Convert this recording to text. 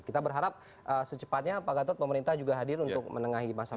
kita berharap secepatnya pak gatot pemerintah juga hadir untuk menengahi masalah